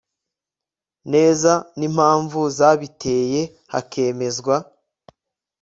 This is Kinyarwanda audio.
neza n'impamvuza biteyehakemezwa